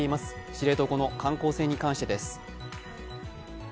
知床の観光船に関してです。